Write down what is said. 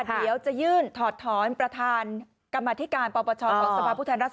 เดี๋ยวจะยื่นถอดถอนประธานกรรมธิการปปชของสภรค